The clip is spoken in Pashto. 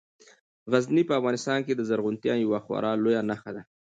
غزني په افغانستان کې د زرغونتیا یوه خورا لویه نښه ده.